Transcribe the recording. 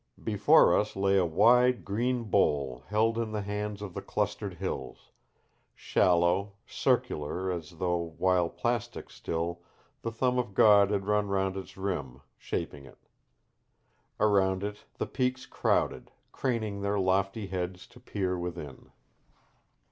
Before us lay a wide green bowl held in the hands of the clustered hills; shallow, circular, as though, while plastic still, the thumb of God had run round its rim, shaping it. Around it the peaks crowded, craning their lofty heads to peer within.